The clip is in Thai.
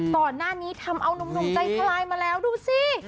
ก่อนหน้านี้ทำเอานุ่มใจทลายมาแล้วดูสิ